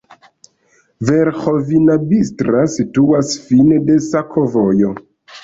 Verĥovina-Bistra situas fine de sakovojo.